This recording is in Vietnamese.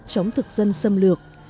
chống thực dân xâm lược